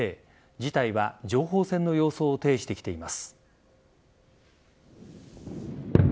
事態は、情報戦の様相を呈してきています。